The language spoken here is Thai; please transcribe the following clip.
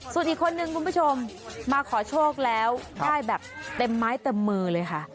ส่วนอีกคนนึงคุณผู้ชมมาขอโชคแล้วได้แบบเต็มไม้เต็มมือเลยค่ะ